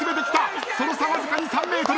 その差わずか２３ｍ！